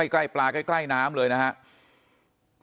ใกล้ปลาใกล้น้ำเลยนะครับ